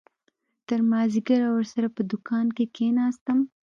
تر مازديگره ورسره په دوکان کښې کښېناستم.